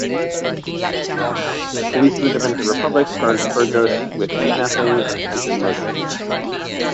Police in the Dominican Republic charged Burgos with kidnapping and attempted murder.